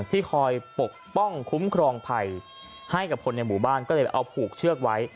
ที่คอยปกป้องคุ้มครองภัยให้กับคนในหมู่บ้านก็เลยไปเอาผูกเชือกไว้